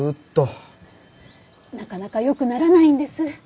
なかなか良くならないんです。